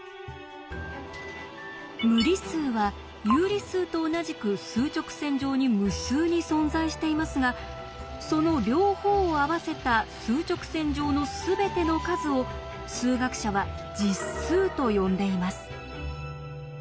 無理数は有理数と同じく数直線上に無数に存在していますがその両方を合わせた数直線上のすべての数を数学者は「実数」と呼んでいます。